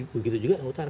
begitu juga yang utara